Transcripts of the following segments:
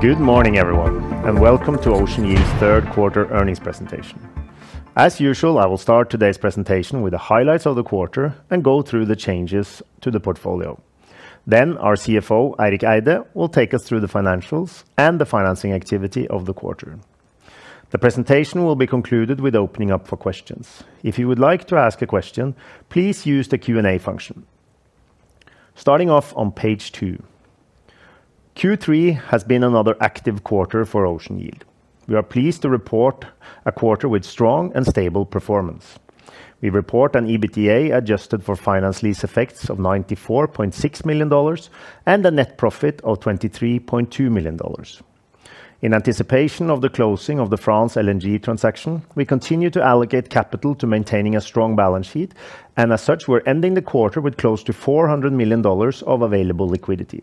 Good morning, everyone, and welcome to Ocean Yield's Third Quarter Earnings Presentation. As usual, I will start today's presentation with the highlights of the quarter and go through the changes to the portfolio. Then our CFO, Eirik Eide, will take us through the financials and the financing activity of the quarter. The presentation will be concluded with opening up for questions. If you would like to ask a question, please use the Q&A function. Starting off on page two. Q3 has been another active quarter for Ocean Yield. We are pleased to report a quarter with strong and stable performance. We report an EBITDA adjusted for finance lease effects of $94.6 million and a net profit of $23.2 million. In anticipation of the closing of the France LNG transaction, we continue to allocate capital to maintaining a strong balance sheet, and as such, we're ending the quarter with close to $400 million of available liquidity.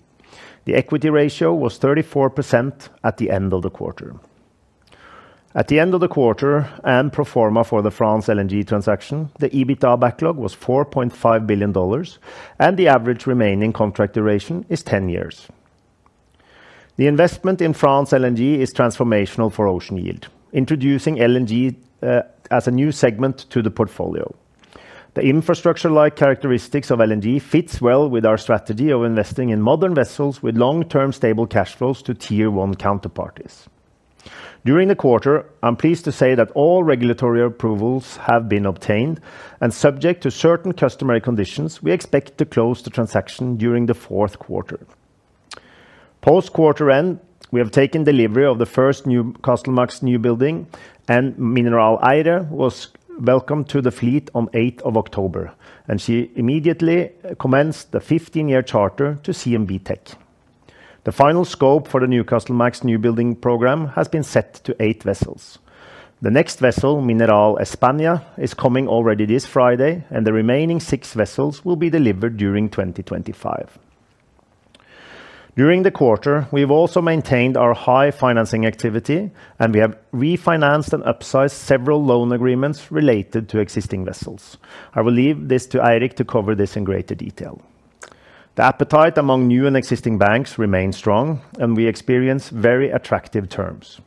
The equity ratio was 34% at the end of the quarter. At the end of the quarter, and pro forma for the France LNG transaction, the EBITDA backlog was $4.5 billion, and the average remaining contract duration is 10 years. The investment in France LNG is transformational for Ocean Yield, introducing LNG as a new segment to the portfolio. The infrastructure-like characteristics of LNG fit well with our strategy of investing in modern vessels with long-term stable cash flows to tier one counterparties. During the quarter, I'm pleased to say that all regulatory approvals have been obtained and subject to certain customary conditions, we expect to close the transaction during the fourth quarter. Post quarter-end, we have taken delivery of the first Newcastlemax newbuilding, and Mineral Eire was welcomed to the fleet on 8th of October, and she immediately commenced the 15-year charter to CMB.TECH. The final scope for the Newcastlemax newbuilding program has been set to eight vessels. The next vessel, Mineral España, is coming already this Friday, and the remaining six vessels will be delivered during 2025. During the quarter, we've also maintained our high financing activity, and we have refinanced and upsized several loan agreements related to existing vessels. I will leave this to Eirik to cover this in greater detail. The appetite among new and existing banks remains strong, and we experience very attractive terms.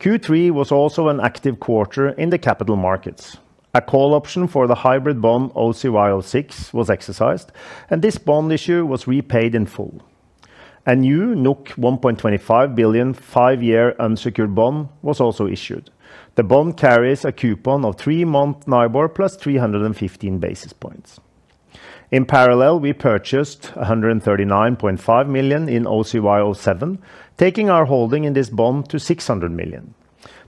Q3 was also an active quarter in the capital markets. A call option for the hybrid bond OCY06 was exercised, and this bond issue was repaid in full. A new 1.25 billion five-year unsecured bond was also issued. The bond carries a coupon of three-month NIBOR plus 315 basis points. In parallel, we purchased 139.5 million in OCY07, taking our holding in this bond to 600 million.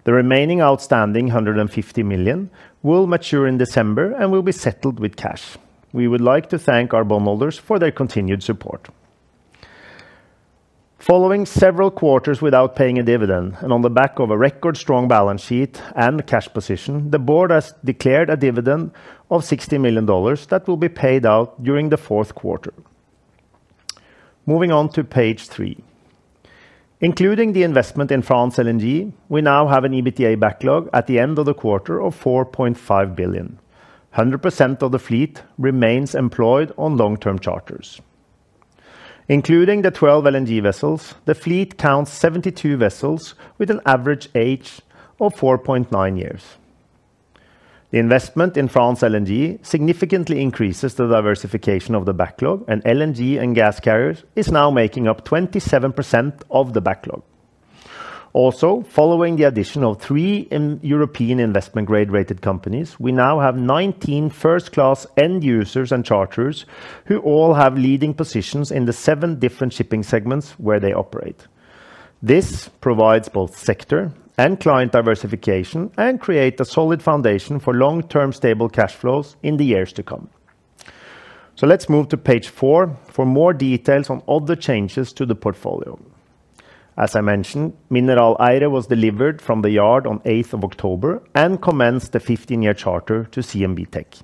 The remaining outstanding 150 million will mature in December and will be settled with cash. We would like to thank our bondholders for their continued support. Following several quarters without paying a dividend and on the back of a record-strong balance sheet and cash position, the board has declared a dividend of $60 million that will be paid out during the fourth quarter. Moving on to page three. Including the investment in France LNG, we now have an EBITDA backlog at the end of the quarter of $4.5 billion. 100% of the fleet remains employed on long-term charters. Including the 12 LNG vessels, the fleet counts 72 vessels with an average age of 4.9 years. The investment in France LNG significantly increases the diversification of the backlog, and LNG and gas carriers are now making up 27% of the backlog. Also, following the addition of three European investment-grade rated companies, we now have 19 first-class end-users and charters who all have leading positions in the seven different shipping segments where they operate. This provides both sector and client diversification and creates a solid foundation for long-term stable cash flows in the years to come. So let's move to page four for more details on all the changes to the portfolio. As I mentioned, Mineral Eire was delivered from the yard on 8th of October and commenced the 15-year charter to CMB.TECH.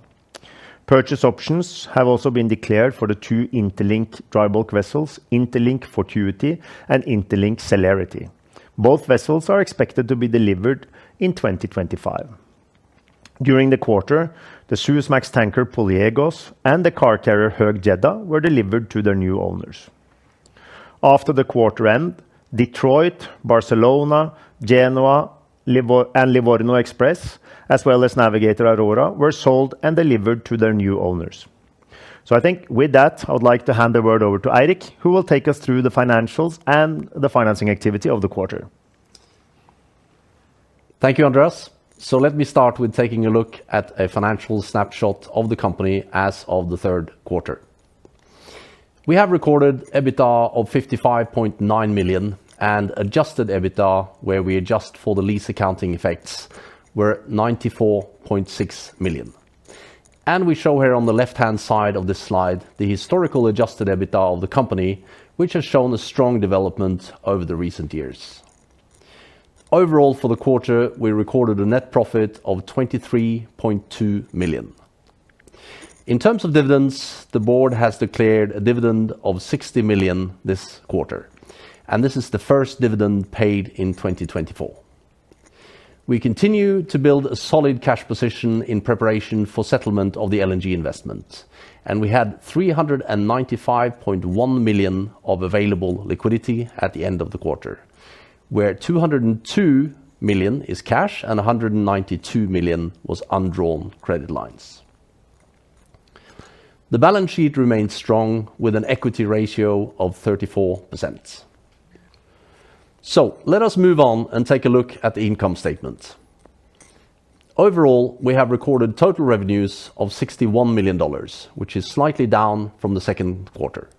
Purchase options have also been declared for the two Interlink dry bulk vessels, Interlink Fortuity and Interlink Celerity. Both vessels are expected to be delivered in 2025. During the quarter, the Suezmax tanker Poliegos and the car carrier Höegh Jeddah were delivered to their new owners. After the quarter end, Detroit Express, Barcelona Express, Genoa Express, and Livorno Express, as well as Navigator Aurora, were sold and delivered to their new owners. So I think with that, I would like to hand the word over to Eirik, who will take us through the financials and the financing activity of the quarter. Thank you, Andreas. So let me start with taking a look at a financial snapshot of the company as of the third quarter. We have recorded EBITDA of $55.9 million, and adjusted EBITDA, where we adjust for the lease accounting effects, were $94.6 million. And we show here on the left-hand side of this slide the historical adjusted EBITDA of the company, which has shown a strong development over the recent years. Overall, for the quarter, we recorded a net profit of $23.2 million. In terms of dividends, the board has declared a dividend of $60 million this quarter, and this is the first dividend paid in 2024. We continue to build a solid cash position in preparation for settlement of the LNG investment, and we had $395.1 million of available liquidity at the end of the quarter, where $202 million is cash and $192 million was undrawn credit lines. The balance sheet remains strong with an equity ratio of 34%. So let us move on and take a look at the income statement. Overall, we have recorded total revenues of $61 million, which is slightly down from the second quarter.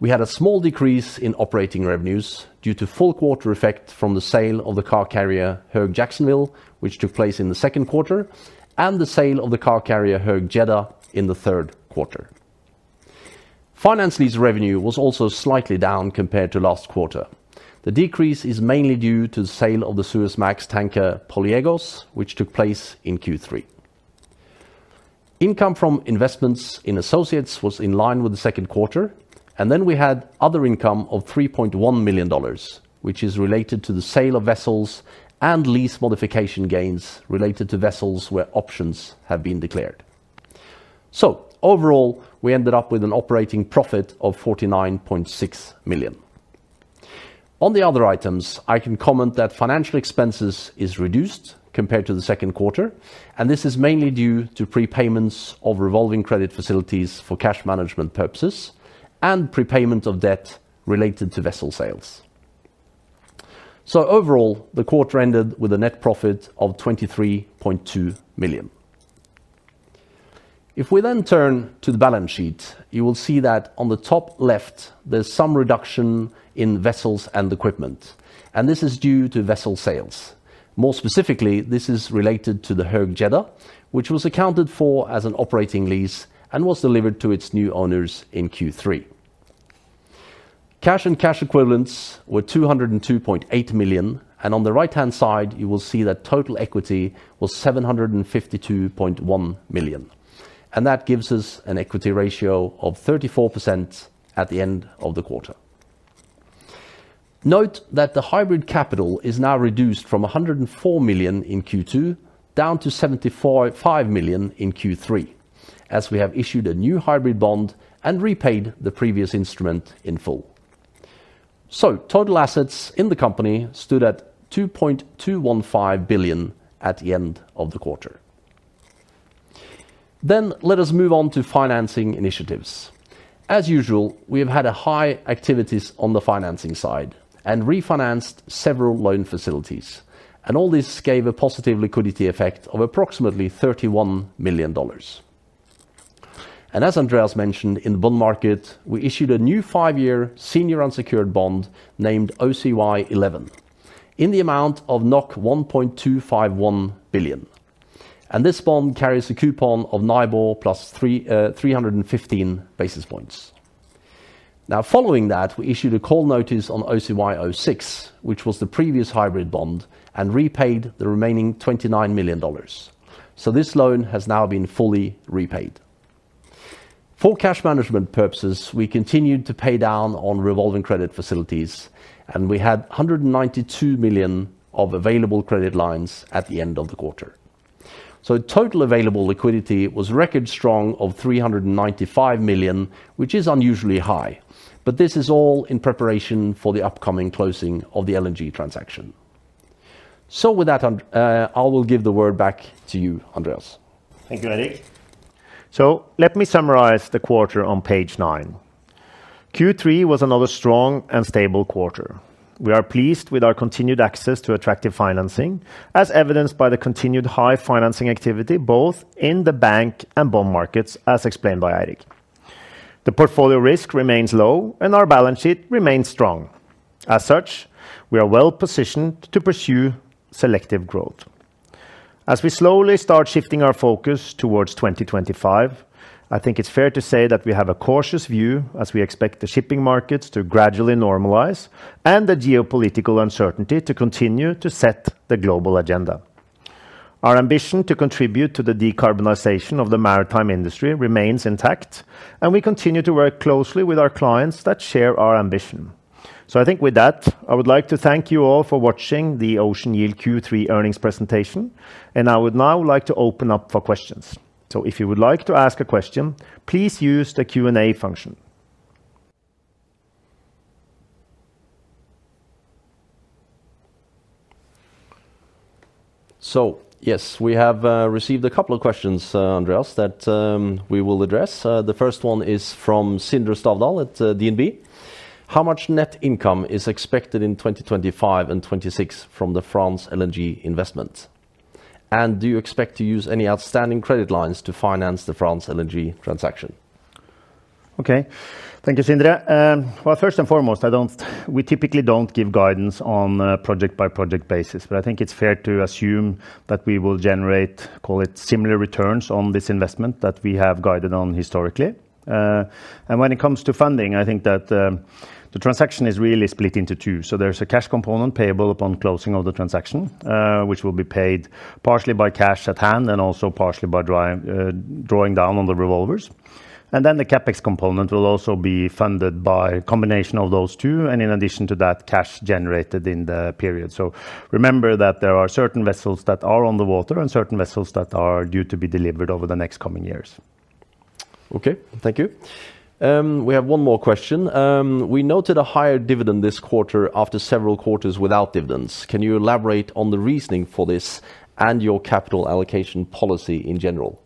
We had a small decrease in operating revenues due to full quarter effect from the sale of the car carrier Höegh Jacksonville, which took place in the second quarter, and the sale of the car carrier Höegh Jeddah in the third quarter. Finance lease revenue was also slightly down compared to last quarter. The decrease is mainly due to the sale of the Suezmax tanker Poliegos, which took place in Q3. Income from investments in associates was in line with the second quarter, and then we had other income of $3.1 million, which is related to the sale of vessels and lease modification gains related to vessels where options have been declared. So overall, we ended up with an operating profit of $49.6 million. On the other items, I can comment that financial expenses are reduced compared to the second quarter, and this is mainly due to prepayments of revolving credit facilities for cash management purposes and prepayment of debt related to vessel sales. So overall, the quarter ended with a net profit of $23.2 million. If we then turn to the balance sheet, you will see that on the top left, there's some reduction in vessels and equipment, and this is due to vessel sales. More specifically, this is related to the Höegh Jeddah, which was accounted for as an operating lease and was delivered to its new owners in Q3. Cash and cash equivalents were $202.8 million, and on the right-hand side, you will see that total equity was $752.1 million, and that gives us an equity ratio of 34% at the end of the quarter. Note that the hybrid capital is now reduced from $104 million in Q2 down to $75 million in Q3, as we have issued a new hybrid bond and repaid the previous instrument in full. So total assets in the company stood at $2.215 billion at the end of the quarter. Then let us move on to financing initiatives. As usual, we have had high activities on the financing side and refinanced several loan facilities, and all this gave a positive liquidity effect of approximately $31 million. And as Andreas mentioned, in the bond market, we issued a new five-year senior unsecured bond named OCY11 in the amount of 1.251 billion. And this bond carries a coupon of NIBOR plus 315 basis points. Now, following that, we issued a call notice on OCY06, which was the previous hybrid bond, and repaid the remaining $29 million. So this loan has now been fully repaid. For cash management purposes, we continued to pay down on revolving credit facilities, and we had $192 million of available credit lines at the end of the quarter. So total available liquidity was record strong of $395 million, which is unusually high, but this is all in preparation for the upcoming closing of the LNG transaction. So with that, I will give the word back to you, Andreas. Thank you, Eirik. So let me summarize the quarter on page nine. Q3 was another strong and stable quarter. We are pleased with our continued access to attractive financing, as evidenced by the continued high financing activity both in the bank and bond markets, as explained by Eirik. The portfolio risk remains low, and our balance sheet remains strong. As such, we are well positioned to pursue selective growth. As we slowly start shifting our focus towards 2025, I think it's fair to say that we have a cautious view as we expect the shipping markets to gradually normalize and the geopolitical uncertainty to continue to set the global agenda. Our ambition to contribute to the decarbonization of the maritime industry remains intact, and we continue to work closely with our clients that share our ambition. So I think with that, I would like to thank you all for watching the Ocean Yield Q3 Earnings presentation, and I would now like to open up for questions. So if you would like to ask a question, please use the Q&A function. So yes, we have received a couple of questions, Andreas, that we will address. The first one is from Sindre Stavdal at DNB. How much net income is expected in 2025 and 2026 from the France LNG investment? And do you expect to use any outstanding credit lines to finance the France LNG transaction? Okay, thank you, Sindre. Well, first and foremost, we typically don't give guidance on a project-by-project basis, but I think it's fair to assume that we will generate, call it similar returns on this investment that we have guided on historically. And when it comes to funding, I think that the transaction is really split into two. So there's a cash component payable upon closing of the transaction, which will be paid partially by cash at hand and also partially by drawing down on the revolvers. And then the CapEx component will also be funded by a combination of those two, and in addition to that, cash generated in the period. So remember that there are certain vessels that are on the water and certain vessels that are due to be delivered over the next coming years. Okay, thank you. We have one more question. We noted a higher dividend this quarter after several quarters without dividends. Can you elaborate on the reasoning for this and your capital allocation policy in general?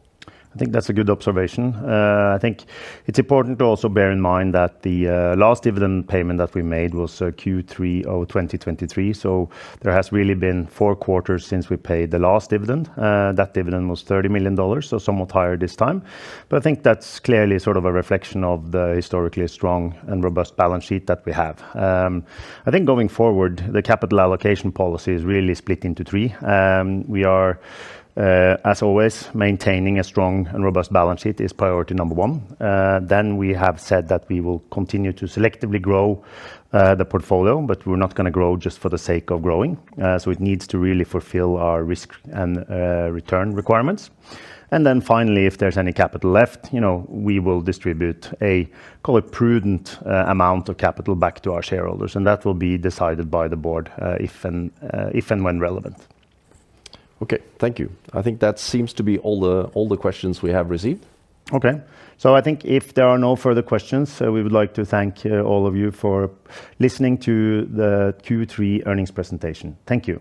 I think that's a good observation. I think it's important to also bear in mind that the last dividend payment that we made was Q3 of 2023, so there has really been four quarters since we paid the last dividend. That dividend was $30 million, so somewhat higher this time. But I think that's clearly sort of a reflection of the historically strong and robust balance sheet that we have. I think going forward, the capital allocation policy is really split into three. We are, as always, maintaining a strong and robust balance sheet is priority number one. Then we have said that we will continue to selectively grow the portfolio, but we're not going to grow just for the sake of growing. So it needs to really fulfill our risk and return requirements. Then finally, if there's any capital left, we will distribute a, call it, prudent amount of capital back to our shareholders, and that will be decided by the board if and when relevant. Okay, thank you. I think that seems to be all the questions we have received. Okay, so I think if there are no further questions, we would like to thank all of you for listening to the Q3 earnings presentation. Thank you.